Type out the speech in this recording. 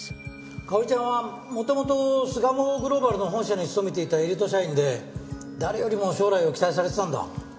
香織ちゃんは元々巣鴨グローバルの本社に勤めていたエリート社員で誰よりも将来を期待されてたんだ。